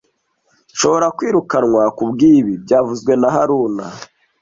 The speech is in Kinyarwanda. Nshobora kwirukanwa kubwibi byavuzwe na haruna